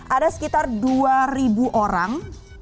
ada sekitar dua orang